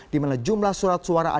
dimana jumlah surat suara ada